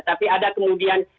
tapi ada kemudian